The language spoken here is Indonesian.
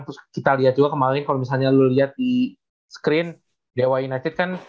terus kita lihat juga kemarin kalau misalnya lu lihat di screen dewa united kan